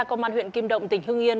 công an huyện kim động tỉnh hưng yên